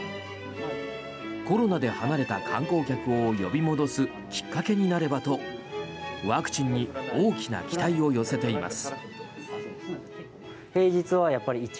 コロナで離れた観光客を呼び戻すきっかけになればとワクチンに大きな期待を寄せています。